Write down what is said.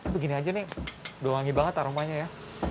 begini aja nih udah wangi banget aromanya ya